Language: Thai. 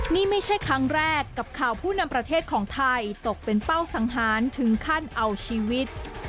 นี่ไม่ใช่ครั้งแรกกับข่าวผู้นำประเทศของไทยตกเป็นเป้าสังหารถึงขั้นเอาชีวิต